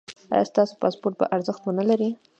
ایا ستاسو پاسپورت به ارزښت و نه لري؟